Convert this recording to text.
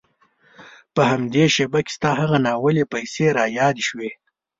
په همدې شېبه کې ستا هغه ناولې پيسې را یادې شوې.